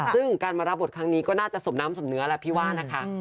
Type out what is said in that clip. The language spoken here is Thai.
ซึ่งการมารับบทครั้งนี้ก็น่าจะสมน้ำสมเนื้อแล้วพี่ว่านะคะ